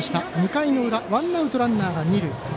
２回の裏、ワンアウトランナーが二塁。